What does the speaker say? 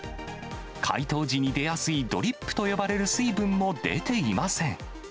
解凍時に出やすいドリップと呼ばれる水分も出ていません。